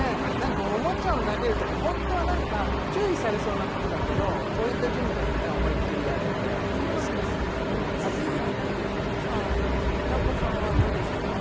おもちゃを投げるとかホントはなんか注意されそうなことだけどこういったジムだとね思いっきりやれてかつ学べるということですね平子さんはどうでしたか？